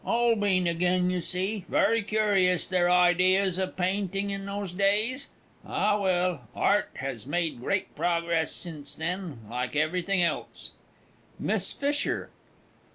'Um! Holbein again, you see very curious their ideas of painting in those days. Ah, well, Art has made great progress since then like everything else! MISS FISHER.